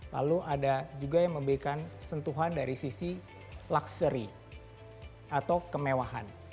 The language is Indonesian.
lalu ada juga yang memberikan sentuhan dari sisi luxury atau kemewahan